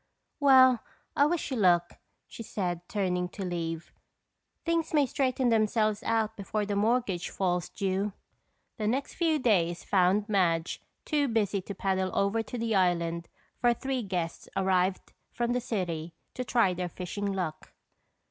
"Well, I wish you luck," she said turning to leave. "Things may straighten themselves out before the mortgage falls due." The next few days found Madge too busy to paddle over to the island for three guests arrived from the city to try their fishing luck.